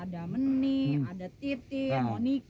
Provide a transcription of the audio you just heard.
ada meni ada titik monika